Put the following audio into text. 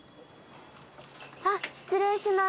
あっ失礼します。